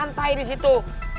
santai di situ